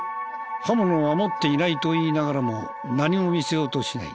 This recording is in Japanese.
刃物は持っていないと言いながらも何も見せようとしない。